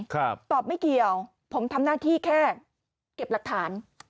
ตอบไม่เกี่ยวผมทำหน้าที่แค่เก็บหลักฐาน